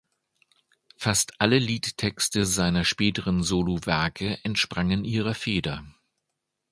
Fast alle Liedtexte seiner späteren Solowerke entsprangen ihrer Feder.